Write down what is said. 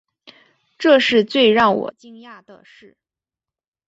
这是最让我惊讶的事